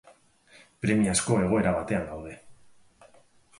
Premiazko egoera batean gaude.